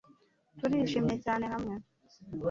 Turishimye cyane hamwe